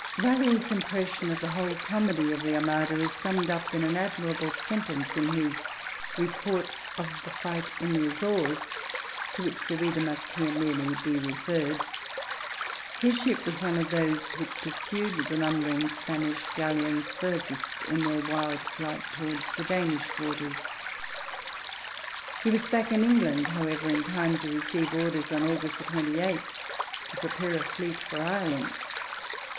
Raleigh's impression of the whole comedy of the Armada is summed up in an admirable sentence in his Report of the Fight in the Azores, to which the reader must here merely be referred. His ship was one of those which pursued the lumbering Spanish galleons furthest in their wild flight towards the Danish waters. He was back in England, however, in time to receive orders on August 28 to prepare a fleet for Ireland.